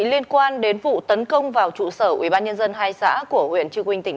liên quan đến vụ tấn công vào trụ sở ủy ban nhân dân hai xã của huyện chư quỳnh tỉnh sài gòn